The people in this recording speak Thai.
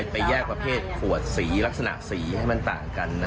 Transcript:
ไปแยกประเภทขวดสีลักษณะสีให้มันต่างกัน